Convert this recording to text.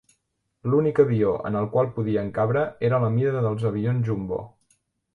L’únic avió en el qual podien cabre era la mida dels avions jumbo.